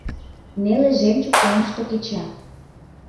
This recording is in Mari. Неле жемчуг оҥышто кеча.